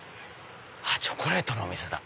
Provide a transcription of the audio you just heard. チョコレートのお店だ。